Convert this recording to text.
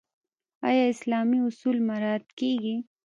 آیا اسلامي اصول مراعات کیږي؟